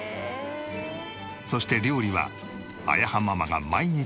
そして料理はあやはママが毎日作る。